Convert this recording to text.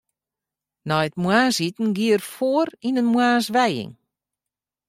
Nei it moarnsiten gie er foar yn in moarnswijing.